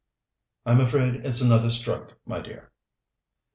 "I'm afraid it's another stroke, my dear."